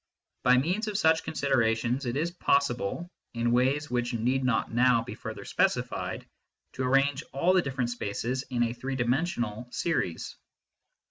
By means of such considerations it is possible, in ways which need not now be further specified, to arrange all the different spaces in a three dimensional series.